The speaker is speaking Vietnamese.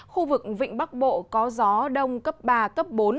khu vực vịnh bắc bộ có gió đông cấp ba cấp bốn